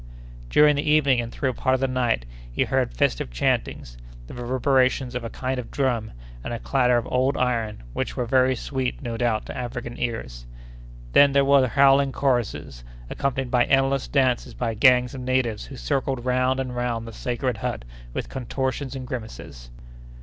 During the evening and through a part of the night, he heard festive chantings, the reverberations of a kind of drum, and a clatter of old iron, which were very sweet, no doubt, to African ears. Then there were howling choruses, accompanied by endless dances by gangs of natives who circled round and round the sacred hut with contortions and grimaces.